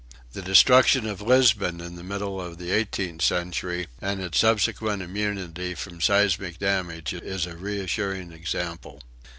The destruction of Lisbon in the middle of the eighteenth century and its subsequent immunity from seismic damage is a reassuring example."